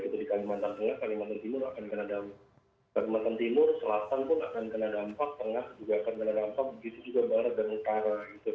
di kalimantan tengah kalimantan timur akan kena dampak kalimantan timur selatan pun akan kena dampak tengah juga akan kena dampak begitu juga barat dan utara